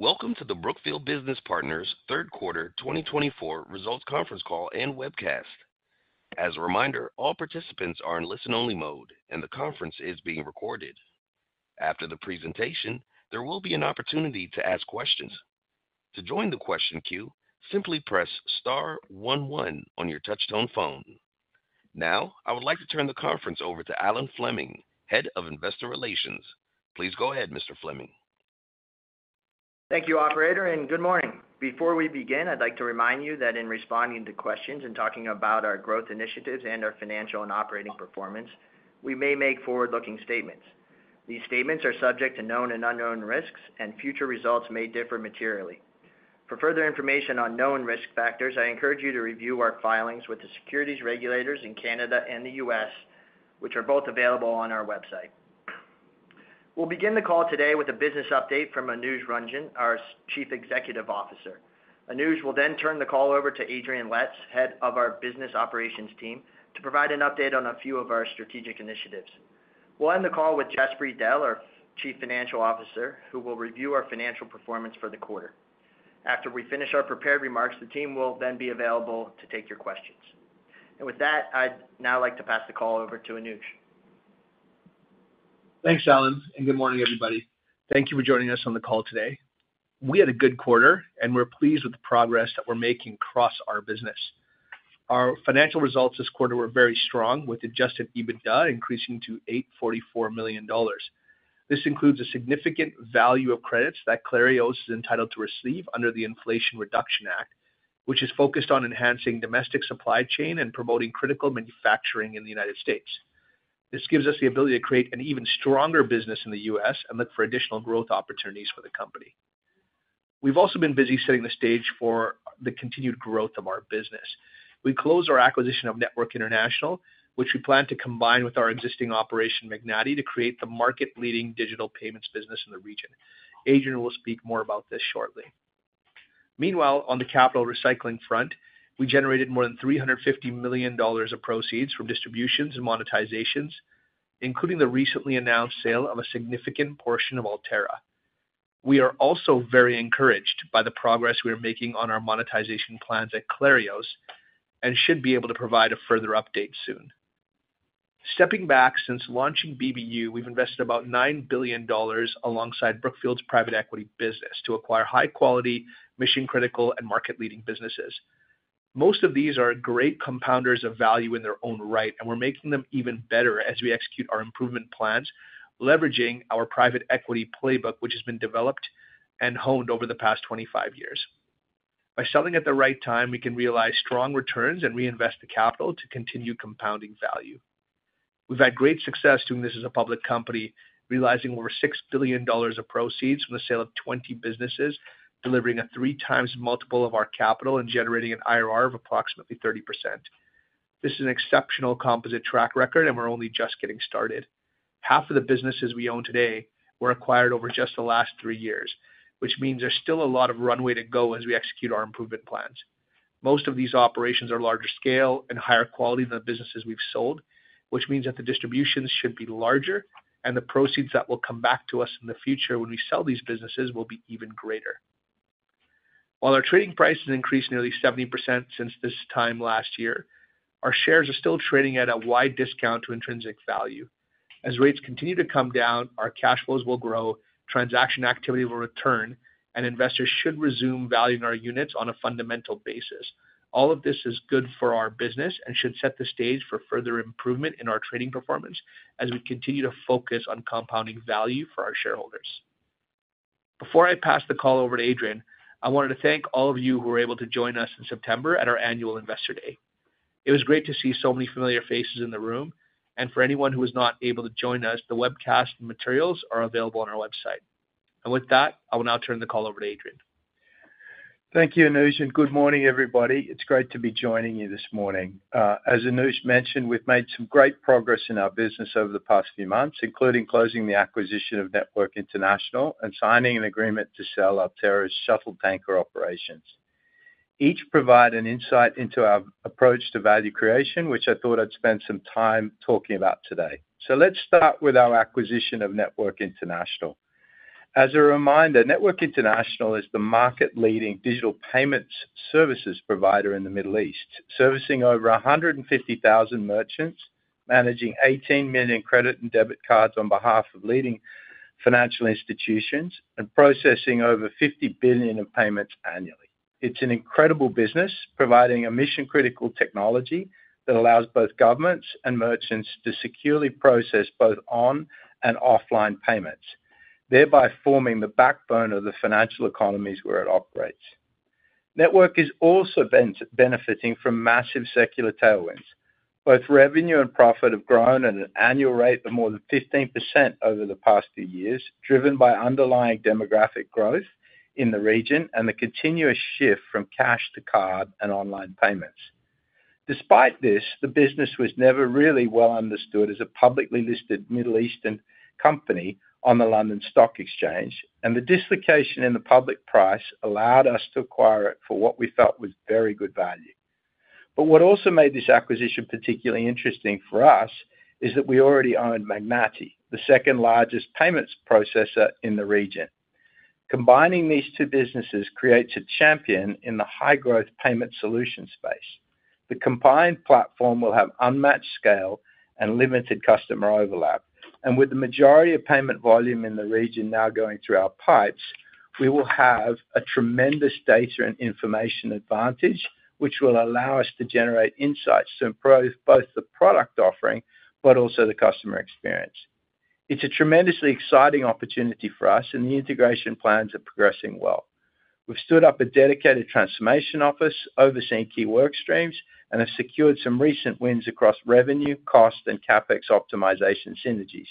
Welcome to the Brookfield Business Partners Third Quarter 2024 Results Conference Call and Webcast. As a reminder, all participants are in listen-only mode, and the conference is being recorded. After the presentation, there will be an opportunity to ask questions. To join the question queue, simply press star one one on your touch-tone phone. Now, I would like to turn the conference over to Alan Fleming, Head of Investor Relations. Please go ahead, Mr. Fleming. Thank you, Operator, and good morning. Before we begin, I'd like to remind you that in responding to questions and talking about our growth initiatives and our financial and operating performance, we may make forward-looking statements. These statements are subject to known and unknown risks, and future results may differ materially. For further information on known risk factors, I encourage you to review our filings with the securities regulators in Canada and the U.S., which are both available on our website. We'll begin the call today with a business update from Anuj Ranjan, our Chief Executive Officer. Anuj will then turn the call over to Adrian Letts, Head of our Business Operations Team, to provide an update on a few of our strategic initiatives. We'll end the call with Jaspreet Dehl, our Chief Financial Officer, who will review our financial performance for the quarter. After we finish our prepared remarks, the team will then be available to take your questions, and with that, I'd now like to pass the call over to Anuj. Thanks, Alan, and good morning, everybody. Thank you for joining us on the call today. We had a good quarter, and we're pleased with the progress that we're making across our business. Our financial results this quarter were very strong, with adjusted EBITDA increasing to $844 million. This includes a significant value of credits that Clarios is entitled to receive under the Inflation Reduction Act, which is focused on enhancing domestic supply chain and promoting critical manufacturing in the United States. This gives us the ability to create an even stronger business in the U.S. and look for additional growth opportunities for the company. We've also been busy setting the stage for the continued growth of our business. We closed our acquisition of Network International, which we plan to combine with our existing operation, Magnati, to create the market-leading digital payments business in the region. Adrian will speak more about this shortly. Meanwhile, on the capital recycling front, we generated more than $350 million of proceeds from distributions and monetizations, including the recently announced sale of a significant portion of Altera. We are also very encouraged by the progress we are making on our monetization plans at Clarios and should be able to provide a further update soon. Stepping back, since launching BBU, we've invested about $9 billion alongside Brookfield's private equity business to acquire high-quality, mission-critical, and market-leading businesses. Most of these are great compounders of value in their own right, and we're making them even better as we execute our improvement plans, leveraging our private equity playbook, which has been developed and honed over the past 25 years. By selling at the right time, we can realize strong returns and reinvest the capital to continue compounding value. We've had great success doing this as a public company, realizing over $6 billion of proceeds from the sale of 20 businesses, delivering a 3x multiple of our capital and generating an IRR of approximately 30%. This is an exceptional composite track record, and we're only just getting started. Half of the businesses we own today were acquired over just the last three years, which means there's still a lot of runway to go as we execute our improvement plans. Most of these operations are larger scale and higher quality than the businesses we've sold, which means that the distributions should be larger, and the proceeds that will come back to us in the future when we sell these businesses will be even greater. While our trading price has increased nearly 70% since this time last year, our shares are still trading at a wide discount to intrinsic value. As rates continue to come down, our cash flows will grow, transaction activity will return, and investors should resume valuing our units on a fundamental basis. All of this is good for our business and should set the stage for further improvement in our trading performance as we continue to focus on compounding value for our shareholders. Before I pass the call over to Adrian, I wanted to thank all of you who were able to join us in September at our annual Investor Day. It was great to see so many familiar faces in the room, and for anyone who was not able to join us, the webcast materials are available on our website. With that, I will now turn the call over to Adrian. Thank you, Anuj, and good morning, everybody. It's great to be joining you this morning. As Anuj mentioned, we've made some great progress in our business over the past few months, including closing the acquisition of Network International and signing an agreement to sell Altera's shuttle tanker operations. Each provided an insight into our approach to value creation, which I thought I'd spend some time talking about today. So let's start with our acquisition of Network International. As a reminder, Network International is the market-leading digital payments services provider in the Middle East, servicing over 150,000 merchants, managing 18 million credit and debit cards on behalf of leading financial institutions, and processing over 50 billion in payments annually. It's an incredible business, providing a mission-critical technology that allows both governments and merchants to securely process both on and offline payments, thereby forming the backbone of the financial economies where it operates. Network is also benefiting from massive secular tailwinds. Both revenue and profit have grown at an annual rate of more than 15% over the past few years, driven by underlying demographic growth in the region and the continuous shift from cash to card and online payments. Despite this, the business was never really well understood as a publicly listed Middle Eastern company on the London Stock Exchange, and the dislocation in the public price allowed us to acquire it for what we felt was very good value. But what also made this acquisition particularly interesting for us is that we already own Magnati, the second largest payments processor in the region. Combining these two businesses creates a champion in the high-growth payment solution space. The combined platform will have unmatched scale and limited customer overlap, and with the majority of payment volume in the region now going through our pipes, we will have a tremendous data and information advantage, which will allow us to generate insights to improve both the product offering but also the customer experience. It's a tremendously exciting opportunity for us, and the integration plans are progressing well. We've stood up a dedicated transformation office, overseeing key workstreams, and have secured some recent wins across revenue, cost, and CapEx optimization synergies.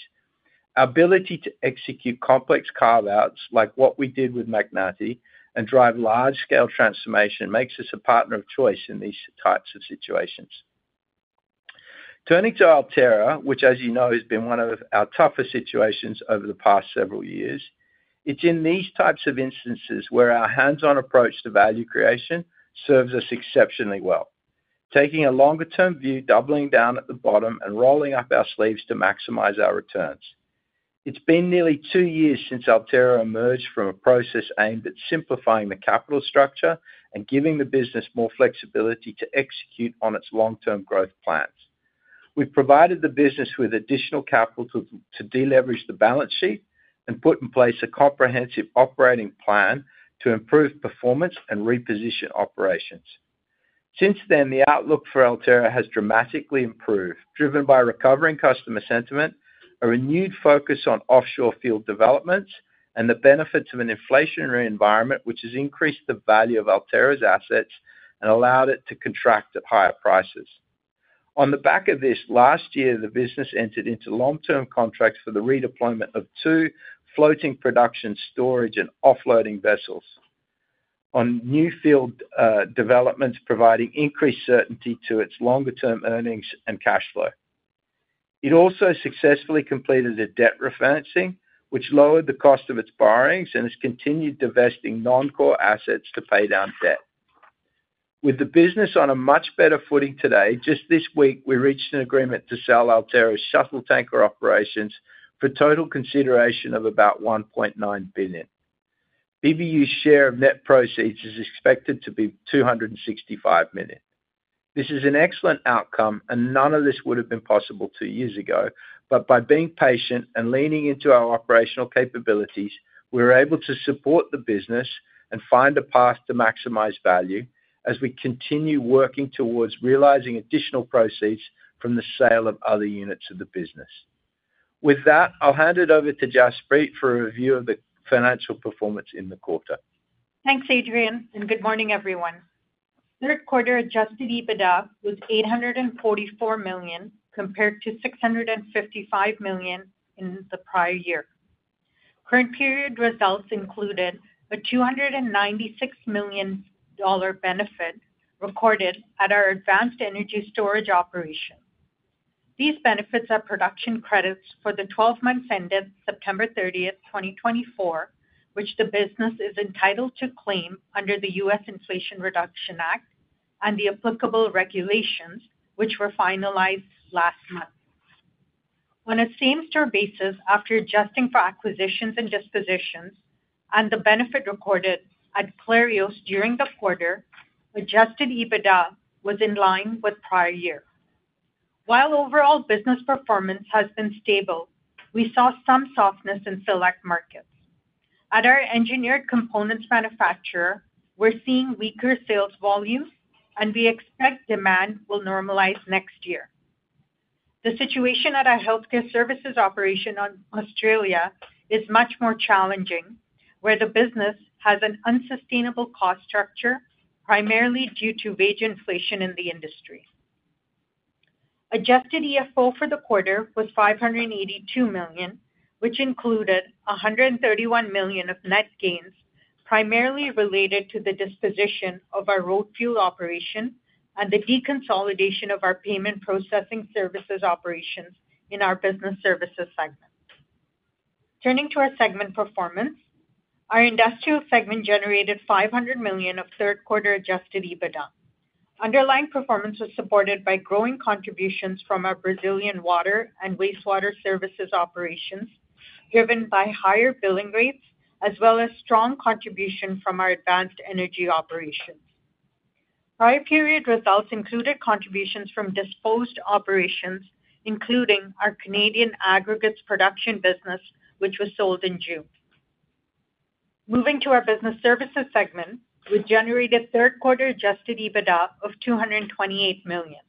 Our ability to execute complex carve-outs, like what we did with Magnati, and drive large-scale transformation makes us a partner of choice in these types of situations. Turning to Altera, which, as you know, has been one of our toughest situations over the past several years, it's in these types of instances where our hands-on approach to value creation serves us exceptionally well, taking a longer-term view, doubling down at the bottom, and rolling up our sleeves to maximize our returns. It's been nearly two years since Altera emerged from a process aimed at simplifying the capital structure and giving the business more flexibility to execute on its long-term growth plans. We've provided the business with additional capital to deleverage the balance sheet and put in place a comprehensive operating plan to improve performance and reposition operations. Since then, the outlook for Altera has dramatically improved, driven by recovering customer sentiment, a renewed focus on offshore field developments, and the benefits of an inflationary environment, which has increased the value of Altera's assets and allowed it to contract at higher prices. On the back of this, last year, the business entered into long-term contracts for the redeployment of two floating production storage and offloading vessels on new field developments, providing increased certainty to its longer-term earnings and cash flow. It also successfully completed a debt refinancing, which lowered the cost of its borrowings and has continued divesting non-core assets to pay down debt. With the business on a much better footing today, just this week, we reached an agreement to sell Altera's shuttle tanker operations for total consideration of about $1.9 billion. BBU's share of net proceeds is expected to be $265 million. This is an excellent outcome, and none of this would have been possible two years ago. But by being patient and leaning into our operational capabilities, we were able to support the business and find a path to maximize value as we continue working towards realizing additional proceeds from the sale of other units of the business. With that, I'll hand it over to Jaspreet for a review of the financial performance in the quarter. Thanks, Adrian, and good morning, everyone. Third quarter adjusted EBITDA was $844 million compared to $655 million in the prior year. Current period results included a $296 million benefit recorded at our advanced energy storage operation. These benefits are production credits for the 12 months ended September 30, 2024, which the business is entitled to claim under the U.S. Inflation Reduction Act and the applicable regulations, which were finalized last month. On a same-store basis, after adjusting for acquisitions and dispositions and the benefit recorded at Clarios during the quarter, adjusted EBITDA was in line with prior year. While overall business performance has been stable, we saw some softness in select markets. At our engineered components manufacturer, we're seeing weaker sales volumes, and we expect demand will normalize next year. The situation at our healthcare services operation in Australia is much more challenging, where the business has an unsustainable cost structure, primarily due to wage inflation in the industry. Adjusted EFO for the quarter was $582 million, which included $131 million of net gains, primarily related to the disposition of our road fuel operation and the deconsolidation of our payment processing services operations in our business services segment. Turning to our segment performance, our industrial segment generated $500 million of third quarter adjusted EBITDA. Underlying performance was supported by growing contributions from our Brazilian water and wastewater services operations, driven by higher billing rates, as well as strong contribution from our advanced energy operations. Prior period results included contributions from disposed operations, including our Canadian aggregates production business, which was sold in June. Moving to our business services segment, we generated third quarter adjusted EBITDA of $228 million.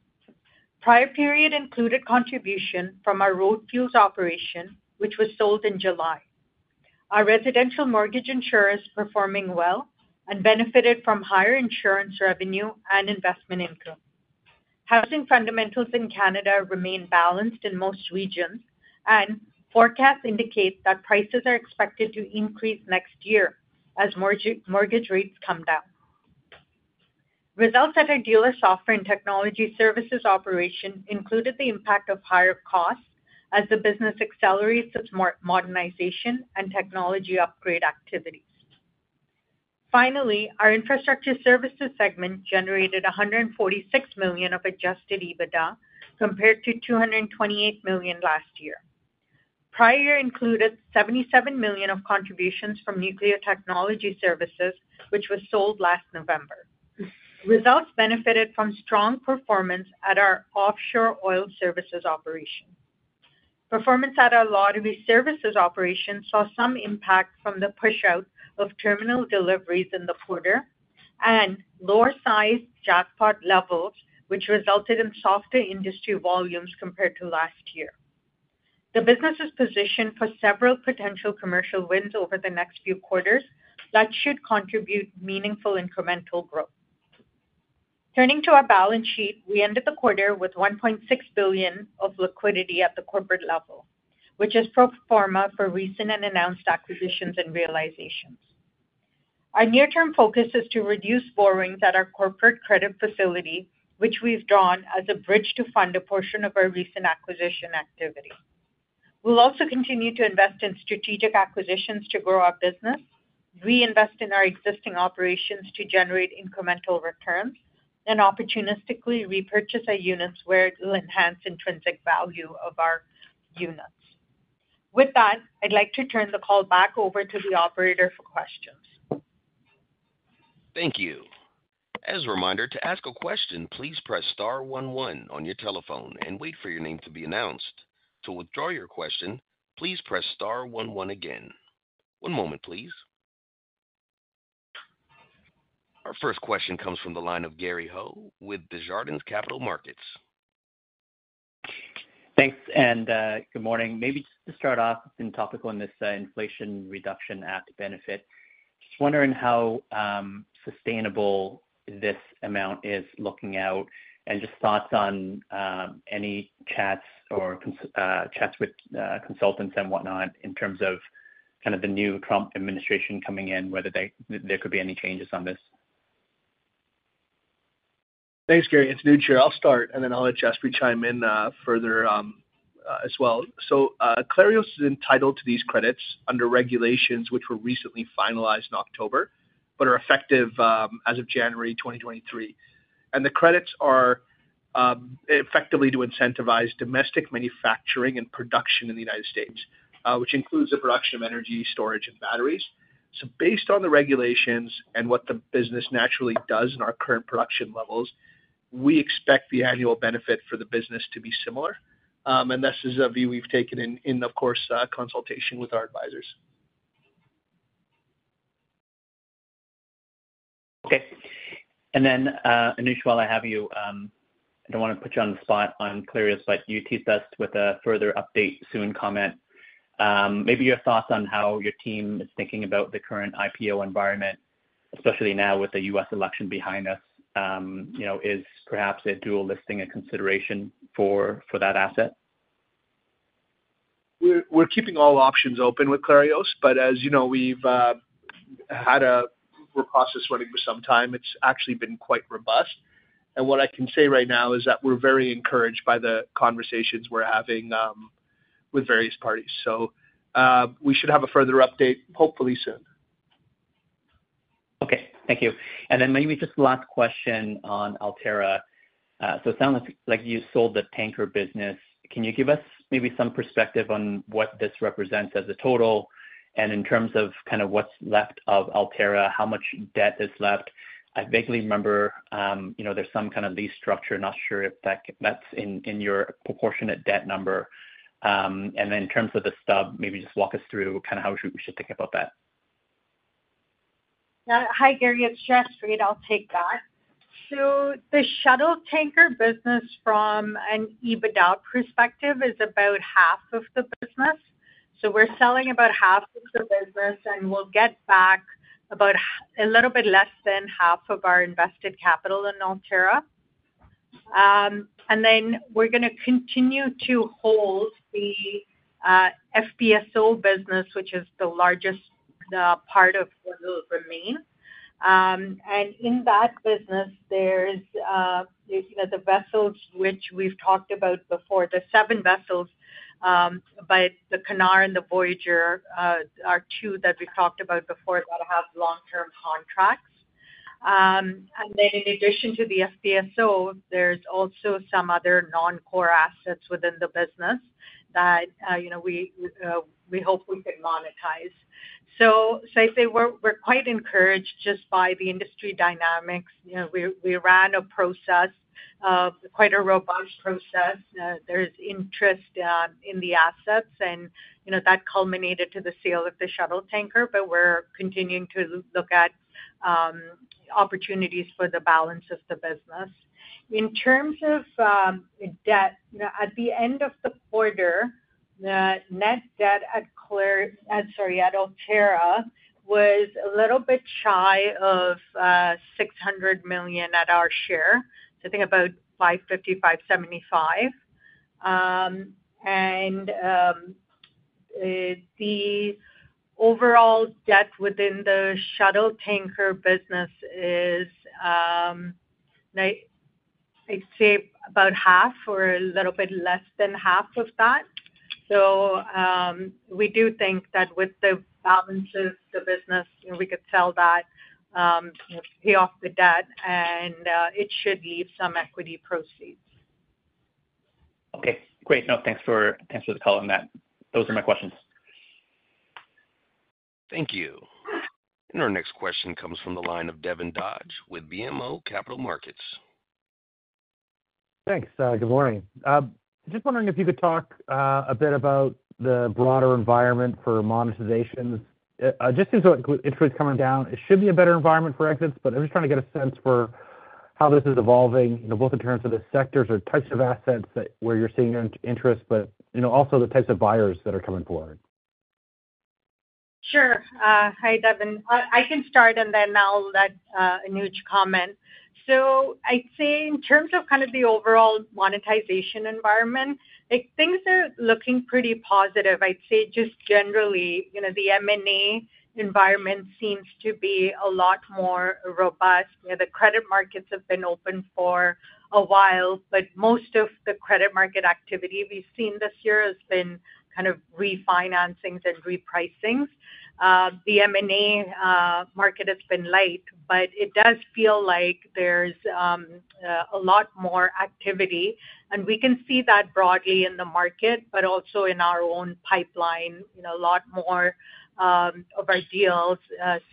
Prior period included contribution from our road fuels operation, which was sold in July. Our residential mortgage insurers performing well and benefited from higher insurance revenue and investment income. Housing fundamentals in Canada remain balanced in most regions, and forecasts indicate that prices are expected to increase next year as mortgage rates come down. Results at our dealer software and technology services operation included the impact of higher costs as the business accelerates its modernization and technology upgrade activities. Finally, our infrastructure services segment generated $146 million of adjusted EBITDA compared to $228 million last year. Prior year included $77 million of contributions from nuclear technology services, which was sold last November. Results benefited from strong performance at our offshore oil services operation. Performance at our lottery services operation saw some impact from the push-out of terminal deliveries in the quarter and lower size jackpot levels, which resulted in softer industry volumes compared to last year. The business is positioned for several potential commercial wins over the next few quarters that should contribute meaningful incremental growth. Turning to our balance sheet, we ended the quarter with $1.6 billion of liquidity at the corporate level, which is pro forma for recent and announced acquisitions and realizations. Our near-term focus is to reduce borrowings at our corporate credit facility, which we've drawn as a bridge to fund a portion of our recent acquisition activity. We'll also continue to invest in strategic acquisitions to grow our business, reinvest in our existing operations to generate incremental returns, and opportunistically repurchase our units where it will enhance intrinsic value of our units. With that, I'd like to turn the call back over to the operator for questions. Thank you. As a reminder, to ask a question, please press star 11 on your telephone and wait for your name to be announced. To withdraw your question, please press star 11 again. One moment, please. Our first question comes from the line of Gary Ho with Desjardins Capital Markets. Thanks, and good morning. Maybe just to start off, it's been topical in this Inflation Reduction Act benefit. Just wondering how sustainable this amount is looking out and just thoughts on any chats with consultants and whatnot in terms of kind of the new Trump administration coming in, whether there could be any changes on this? Thanks, Gary. It's Anuj here. I'll start, and then I'll let Jaspreet chime in further as well. So Clarios is entitled to these credits under regulations which were recently finalized in October but are effective as of January 2023. And the credits are effectively to incentivize domestic manufacturing and production in the United States, which includes the production of energy, storage, and batteries. So based on the regulations and what the business naturally does in our current production levels, we expect the annual benefit for the business to be similar. And this is a view we've taken in, of course, consultation with our advisors. Okay. And then, Anuj, while I have you, I don't want to put you on the spot. I'm curious, but you teased us with a further update soon comment. Maybe your thoughts on how your team is thinking about the current IPO environment, especially now with the U.S. election behind us, is perhaps a dual listing a consideration for that asset? We're keeping all options open with Clarios, but as you know, we've had a process running for some time. It's actually been quite robust. And what I can say right now is that we're very encouraged by the conversations we're having with various parties. So we should have a further update, hopefully soon. Okay. Thank you. And then maybe just the last question on Altera. So it sounds like you sold the tanker business. Can you give us maybe some perspective on what this represents as a total and in terms of kind of what's left of Altera, how much debt is left? I vaguely remember there's some kind of lease structure. Not sure if that's in your proportionate debt number. And then in terms of the stub, maybe just walk us through kind of how we should think about that. Hi, Gary. It's Jaspreet. I'll take that. So the shuttle tanker business, from an EBITDA perspective, is about half of the business. So we're selling about half of the business, and we'll get back about a little bit less than half of our invested capital in Altera. And then we're going to continue to hold the FPSO business, which is the largest part of what will remain. And in that business, there's the vessels, which we've talked about before, the seven vessels, but the Knarr and the Voyager are two that we've talked about before that have long-term contracts. And then in addition to the FPSO, there's also some other non-core assets within the business that we hope we could monetize. So I'd say we're quite encouraged just by the industry dynamics. We ran a process, quite a robust process. There's interest in the assets, and that culminated to the sale of the shuttle tanker, but we're continuing to look at opportunities for the balance of the business. In terms of debt, at the end of the quarter, net debt at Altera was a little bit shy of $600 million at our share, so I think about $550 million-$575 million, and the overall debt within the shuttle tanker business is, I'd say, about half or a little bit less than half of that, so we do think that with the balance of the business, we could sell that, pay off the debt, and it should leave some equity proceeds. Okay. Great. No, thanks for the call on that. Those are my questions. Thank you. And our next question comes from the line of Devin Dodge with BMO Capital Markets. Thanks. Good morning. Just wondering if you could talk a bit about the broader environment for monetization. Just seems like interest is coming down. It should be a better environment for exits, but I'm just trying to get a sense for how this is evolving, both in terms of the sectors or types of assets where you're seeing interest, but also the types of buyers that are coming forward. Sure. Hi, Devin. I can start, and then I'll let Anuj comment. So I'd say in terms of kind of the overall monetization environment, things are looking pretty positive. I'd say just generally, the M&A environment seems to be a lot more robust. The credit markets have been open for a while, but most of the credit market activity we've seen this year has been kind of refinancings and repricings. The M&A market has been light, but it does feel like there's a lot more activity. And we can see that broadly in the market, but also in our own pipeline. A lot more of our deals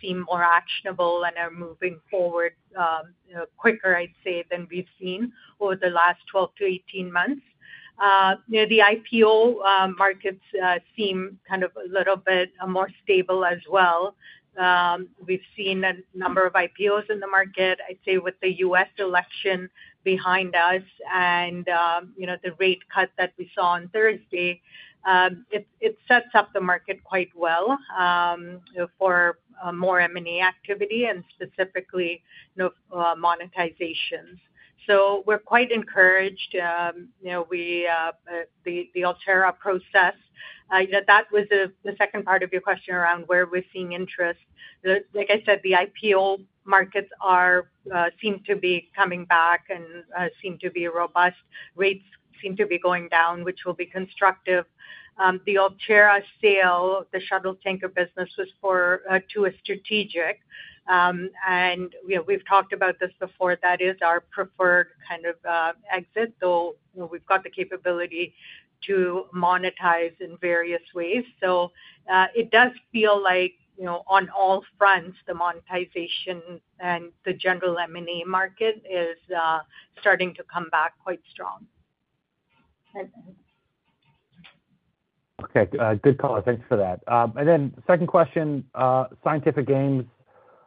seem more actionable and are moving forward quicker, I'd say, than we've seen over the last 12 to 18 months. The IPO markets seem kind of a little bit more stable as well. We've seen a number of IPOs in the market, I'd say, with the U.S. election behind us and the rate cut that we saw on Thursday. It sets up the market quite well for more M&A activity and specifically monetizations. So we're quite encouraged. The Altera process, that was the second part of your question around where we're seeing interest. Like I said, the IPO markets seem to be coming back and seem to be robust. Rates seem to be going down, which will be constructive. The Altera sale, the shuttle tanker business, was to a strategic. And we've talked about this before. That is our preferred kind of exit, though we've got the capability to monetize in various ways. So it does feel like on all fronts, the monetization and the general M&A market is starting to come back quite strong. Okay. Good call. Thanks for that. And then second question, Scientific Games.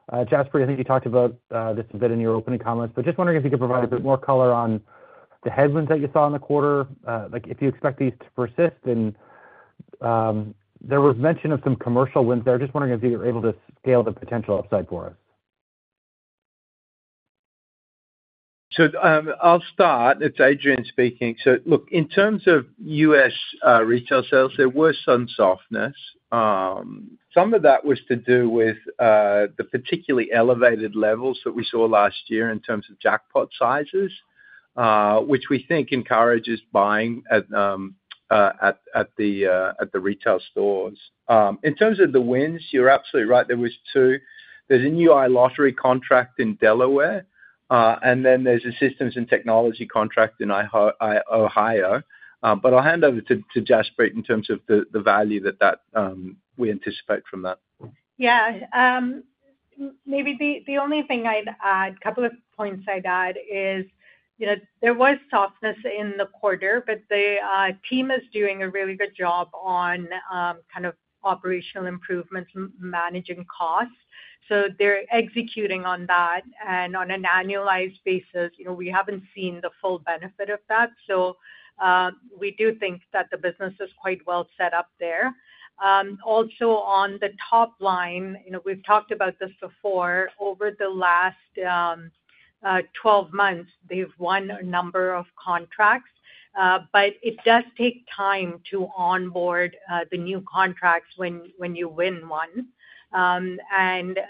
Jaspreet, I think you talked about this a bit in your opening comments, but just wondering if you could provide a bit more color on the headwinds that you saw in the quarter. If you expect these to persist, then there was mention of some commercial wins there. Just wondering if you're able to scale the potential upside for us? I'll start. It's Adrian speaking. Look, in terms of U.S. retail sales, there were some softness. Some of that was to do with the particularly elevated levels that we saw last year in terms of jackpot sizes, which we think encourages buying at the retail stores. In terms of the wins, you're absolutely right. There was two. There's a new lottery contract in Delaware, and then there's a systems and technology contract in Ohio. But I'll hand over to Jaspreet in terms of the value that we anticipate from that. Yeah. Maybe the only thing I'd add, a couple of points I'd add, is there was softness in the quarter, but the team is doing a really good job on kind of operational improvements, managing costs. So they're executing on that. And on an annualized basis, we haven't seen the full benefit of that. So we do think that the business is quite well set up there. Also, on the top line, we've talked about this before. Over the last 12 months, they've won a number of contracts, but it does take time to onboard the new contracts when you win one. And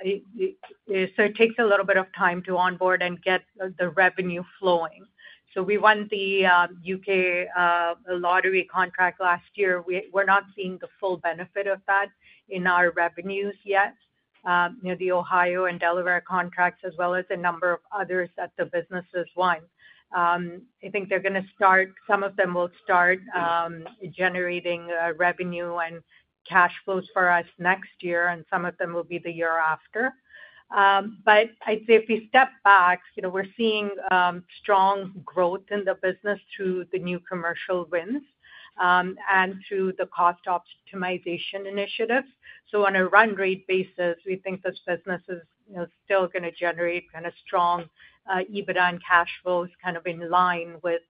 so it takes a little bit of time to onboard and get the revenue flowing. So we won the U.K. Lottery contract last year. We're not seeing the full benefit of that in our revenues yet. The Ohio and Delaware contracts, as well as a number of others that the business has won. I think they're going to start. Some of them will start generating revenue and cash flows for us next year, and some of them will be the year after. But I'd say if we step back, we're seeing strong growth in the business through the new commercial wins and through the cost optimization initiatives. So on a run rate basis, we think this business is still going to generate kind of strong EBITDA and cash flows kind of in line with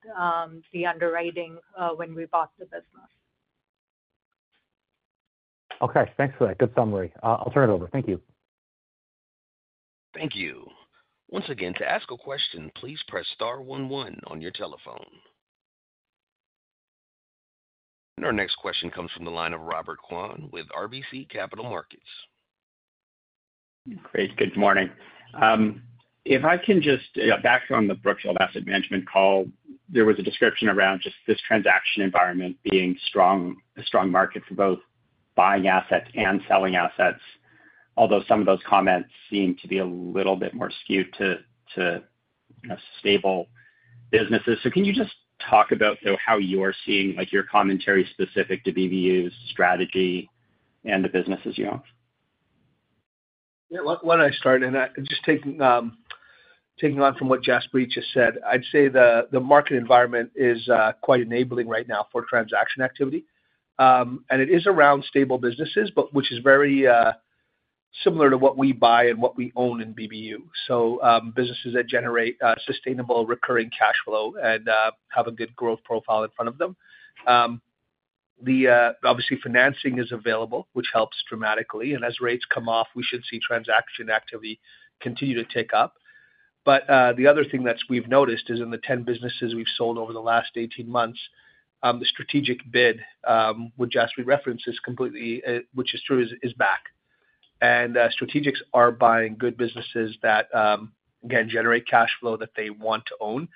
the underwriting when we bought the business. Okay. Thanks for that. Good summary. I'll turn it over. Thank you. Thank you. Once again, to ask a question, please press star 11 on your telephone, and our next question comes from the line of Robert Kwan with RBC Capital Markets. Great. Good morning. If I can just back on the Brookfield Asset Management call, there was a description around just this transaction environment being a strong market for both buying assets and selling assets, although some of those comments seem to be a little bit more skewed to stable businesses. So can you just talk about how you're seeing your commentary specific to BBU's strategy and the businesses you own? Yeah. Why don't I start? And just taking on from what Jaspreet just said, I'd say the market environment is quite enabling right now for transaction activity. And it is around stable businesses, which is very similar to what we buy and what we own in BBU. So businesses that generate sustainable recurring cash flow and have a good growth profile in front of them. Obviously, financing is available, which helps dramatically. And as rates come off, we should see transaction activity continue to take up. But the other thing that we've noticed is in the 10 businesses we've sold over the last 18 months, the strategic bid, which Jaspreet referenced is completely, which is true, is back. And strategics are buying good businesses that, again, generate cash flow that they want to own.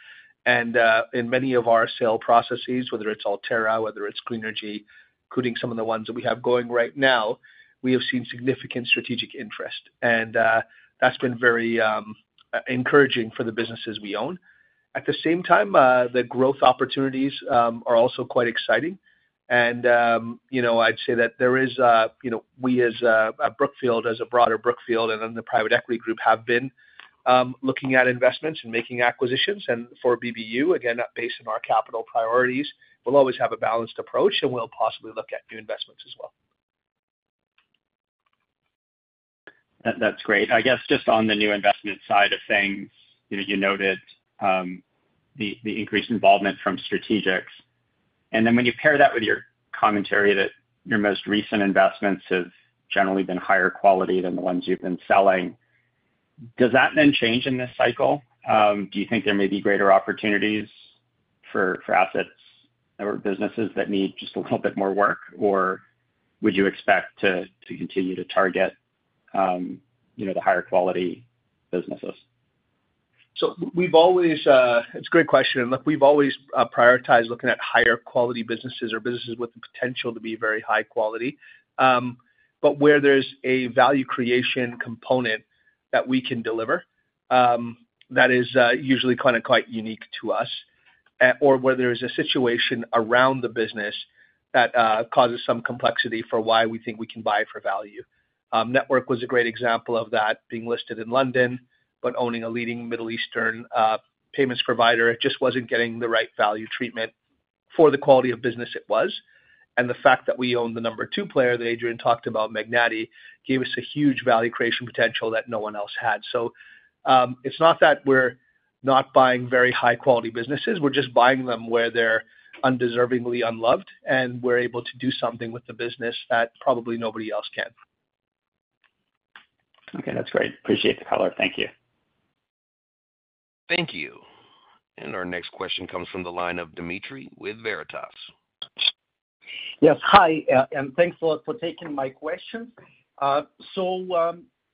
And in many of our sale processes, whether it's Altera, whether it's Greenergy, including some of the ones that we have going right now, we have seen significant strategic interest. And that's been very encouraging for the businesses we own. At the same time, the growth opportunities are also quite exciting. And I'd say that there is, we as a Brookfield, as a broader Brookfield, and then the private equity group have been looking at investments and making acquisitions. And for BBU, again, based on our capital priorities, we'll always have a balanced approach, and we'll possibly look at new investments as well. That's great. I guess just on the new investment side of things, you noted the increased involvement from strategics. And then when you pair that with your commentary that your most recent investments have generally been higher quality than the ones you've been selling, does that then change in this cycle? Do you think there may be greater opportunities for assets or businesses that need just a little bit more work, or would you expect to continue to target the higher quality businesses? So it's a great question. Look, we've always prioritized looking at higher quality businesses or businesses with the potential to be very high quality, but where there's a value creation component that we can deliver that is usually kind of quite unique to us, or where there is a situation around the business that causes some complexity for why we think we can buy for value. Network was a great example of that, being listed in London, but owning a leading Middle Eastern payments provider just wasn't getting the right value treatment for the quality of business it was. And the fact that we owned the number two player that Adrian talked about, Magnati, gave us a huge value creation potential that no one else had. So it's not that we're not buying very high-quality businesses. We're just buying them where they're undeservingly unloved, and we're able to do something with the business that probably nobody else can. Okay. That's great. Appreciate the color. Thank you. Thank you, and our next question comes from the line of Dimitri with Veritas. Yes. Hi. And thanks for taking my questions. So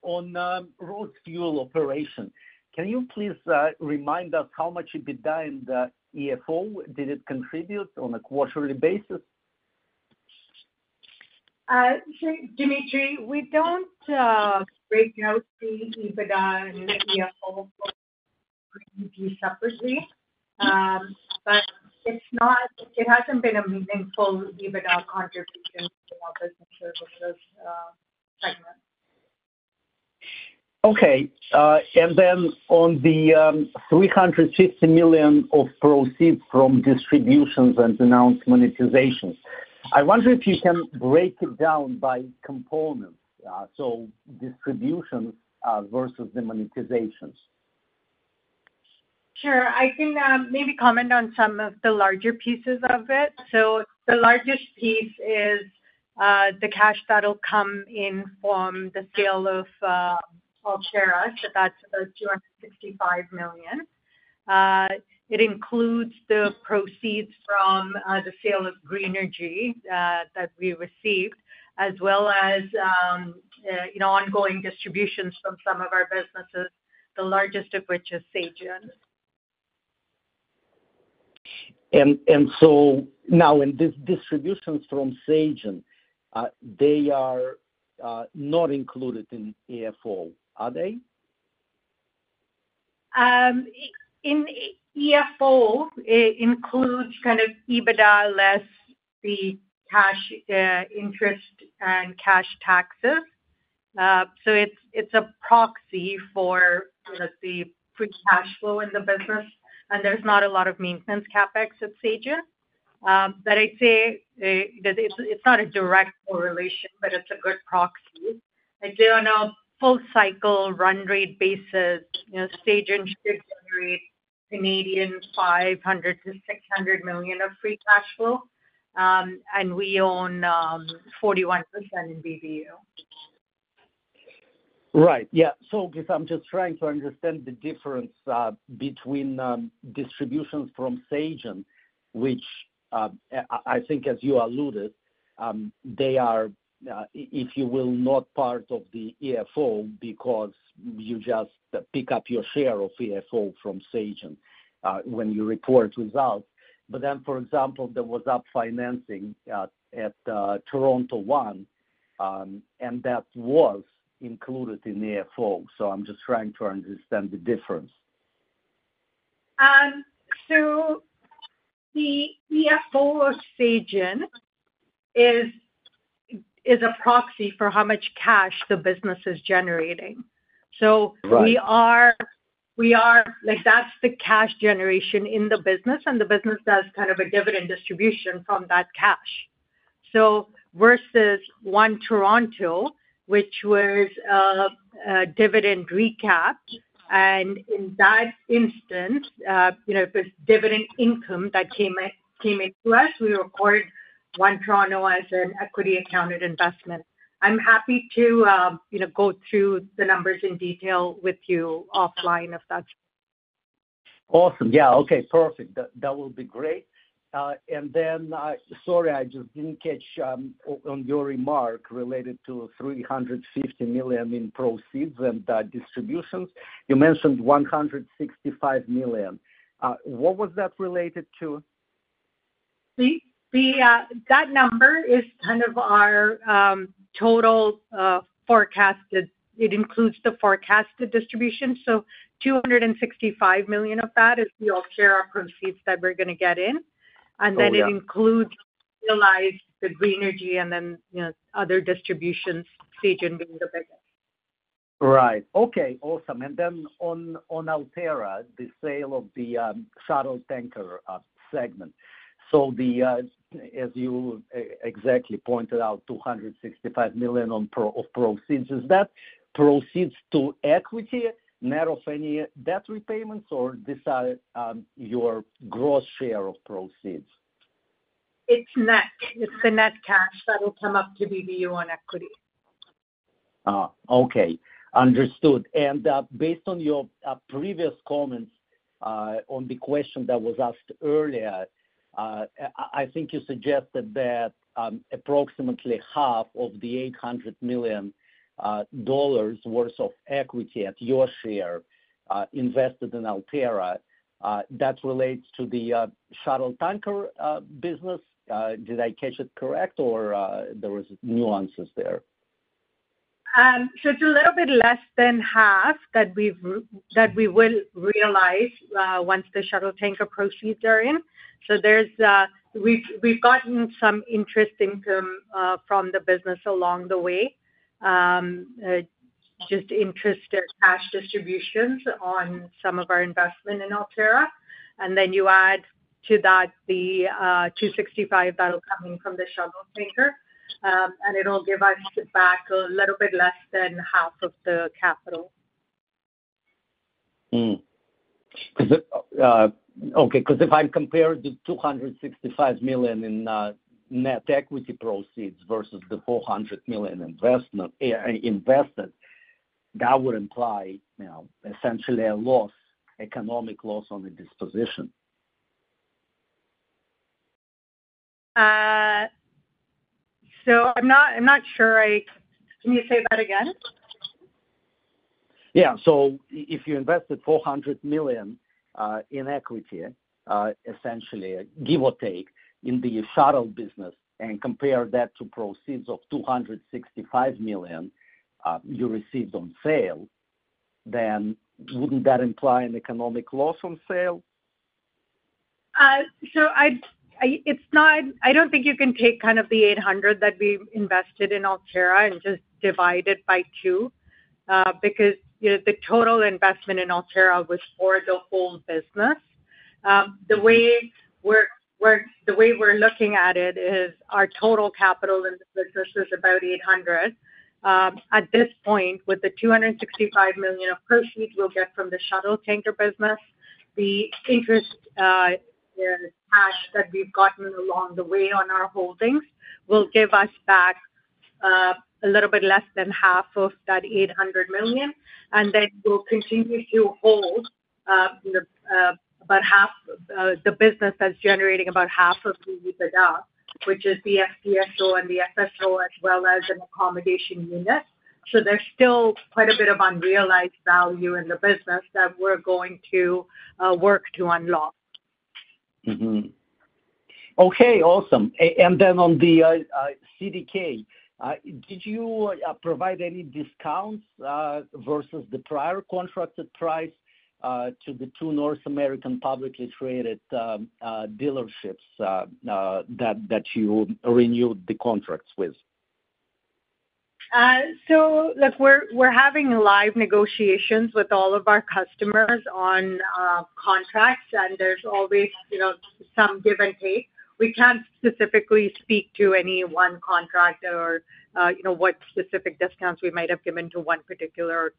on road fuel operation, can you please remind us how much EBITDA and the EFO? Did it contribute on a quarterly basis? Dimitri, we don't break out the EBITDA and the EFO separately, but it hasn't been a meaningful EBITDA contribution in our business services segment. Okay, and then on the $350 million of proceeds from distributions and announced monetizations, I wonder if you can break it down by components, so distributions versus the monetizations. Sure. I can maybe comment on some of the larger pieces of it. The largest piece is the cash that'll come in from the sale of Altera, so that's $265 million. It includes the proceeds from the sale of Greenergy that we received, as well as ongoing distributions from some of our businesses, the largest of which is Sagen. And so now in these distributions from Sagen, they are not included in EFO, are they? EFO includes kind of EBITDA less the cash interest and cash taxes. So it's a proxy for, let's say, free cash flow in the business, and there's not a lot of maintenance CapEx at Sagen. But I'd say it's not a direct correlation, but it's a good proxy. I don't know. Full cycle run rate basis, Sagen should generate 500 million-600 million of free cash flow, and we own 41% in BBU. Right. Yeah. So I'm just trying to understand the difference between distributions from Sagen, which I think, as you alluded, they are, if you will, not part of the EFO because you just pick up your share of EFO from Sagen when you report results. But then, for example, there was refinancing at Toronto One, and that was included in EFO. So I'm just trying to understand the difference. So the EFO of Sagen is a proxy for how much cash the business is generating. So that's the cash generation in the business, and the business does kind of a dividend distribution from that cash. So versus One Toronto, which was a dividend recap. And in that instance, if it's dividend income that came into us, we record One Toronto as an equity-accounted investment. I'm happy to go through the numbers in detail with you offline if that's. Awesome. Yeah. Okay. Perfect. That will be great, and then sorry, I just didn't catch your remark related to $350 million in proceeds and distributions. You mentioned $165 million. What was that related to? That number is kind of our total forecasted. It includes the forecasted distribution. So $265 million of that is the Altera proceeds that we're going to get in. And then it includes realized the Greenergy and then other distributions, Sagen being the biggest. Right. Okay. Awesome. And then on Altera, the sale of the shuttle tanker segment. So as you exactly pointed out, $265 million of proceeds. Is that proceeds to equity, net or any debt repayments, or this is your gross share of proceeds? It's net. It's the net cash that'll come up to BBU on equity. Okay. Understood, and based on your previous comments on the question that was asked earlier, I think you suggested that approximately half of the $800 million worth of equity at your share invested in Altera, that relates to the shuttle tanker business. Did I catch it correct, or there were nuances there? So it's a little bit less than half that we will realize once the shuttle tanker proceeds are in. So we've gotten some interest income from the business along the way, just interest cash distributions on some of our investment in Altera. And then you add to that the $265 million that'll come in from the shuttle tanker, and it'll give us back a little bit less than half of the capital. Okay. Because if I compare the $265 million in net equity proceeds versus the $400 million invested, that would imply essentially a loss, economic loss on the disposition. I'm not sure. Can you say that again? Yeah, so if you invested $400 million in equity, essentially, give or take, in the shuttle business and compare that to proceeds of $265 million you received on sale, then wouldn't that imply an economic loss on sale? So I don't think you can take kind of the $800 million that we invested in Altera and just divide it by two because the total investment in Altera was for the whole business. The way we're looking at it is our total capital in the business is about $800 million. At this point, with the $265 million of proceeds we'll get from the shuttle tanker business, the interest cash that we've gotten along the way on our holdings will give us back a little bit less than half of that $800 million. And then we'll continue to hold about half the business that's generating about half of the EBITDA, which is the FPSO and the FSO, as well as an accommodation unit. So there's still quite a bit of unrealized value in the business that we're going to work to unlock. Okay. Awesome. And then on the CDK, did you provide any discounts versus the prior contracted price to the two North American publicly traded dealerships that you renewed the contracts with? So look, we're having live negotiations with all of our customers on contracts, and there's always some give and take. We can't specifically speak to any one contract or what specific discounts we might have given to one particular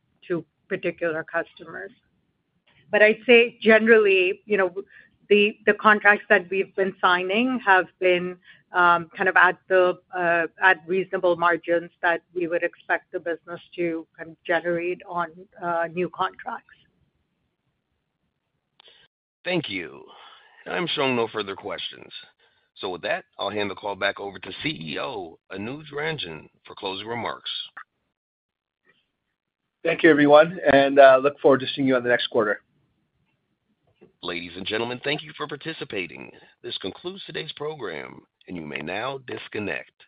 customer. But I'd say, generally, the contracts that we've been signing have been kind of at reasonable margins that we would expect the business to kind of generate on new contracts. Thank you. I'm showing no further questions. So with that, I'll hand the call back over to CEO Anuj Ranjan for closing remarks. Thank you, everyone. Look forward to seeing you on the next quarter. Ladies and gentlemen, thank you for participating. This concludes today's program, and you may now disconnect.